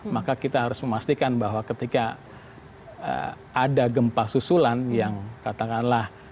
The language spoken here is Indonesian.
maka kita harus memastikan bahwa ketika ada gempa susulan yang katakanlah